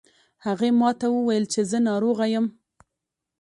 هغې ما ته وویل چې زه ناروغه یم